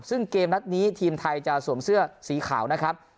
ซึ่งเกมนัดนี้ทีมไทยจะสวมเสื้อสีขาวนะครับ